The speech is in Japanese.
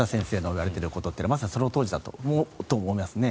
言われていることはまさにそのとおりだと思いますね。